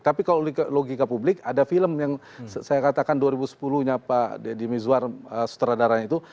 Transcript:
tapi kalau logika publik ada film yang saya katakan dua ribu sepuluh nya pak deddy mizwar sutradaranya itu